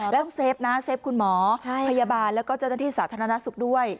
แล้วเซฟนะเซฟคุณหมอพยาบาลแล้วก็เจ้าหน้าที่สาธารณสุขด้วย